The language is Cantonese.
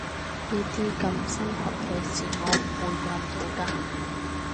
呢啲咁心寒嘅事我唔會慣到㗎